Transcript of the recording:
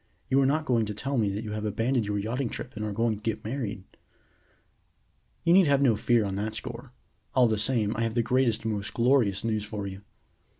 You are not going to tell me that you have abandoned your yachting trip and are going to get married?" "You need have no fear on that score. All the same, I have the greatest and most glorious news for you.